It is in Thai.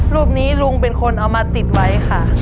รูปนี้ลุงเป็นคนเอามาติดไว้ค่ะ